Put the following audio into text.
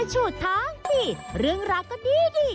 ชุดท้องสิเรื่องรักก็ดีดิ